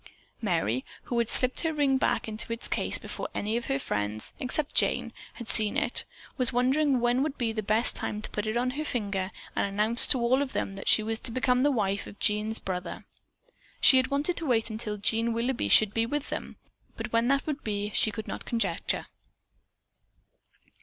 Merry, who had slipped her ring back into its case before any of her friends, except Jane, had seen it, was wondering when would be the best time to put it on her finger and announce to them all that she was to become the wife of Jean's brother. She had wanted to wait until Jean Willoughby should be with them, but when that would be, she could not conjecture.